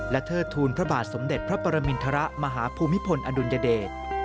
เทิดทูลพระบาทสมเด็จพระปรมินทรมาฮภูมิพลอดุลยเดช